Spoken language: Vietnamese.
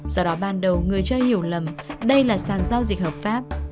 sau đó ban đầu người chơi hiểu lầm đây là sàn giao dịch hợp pháp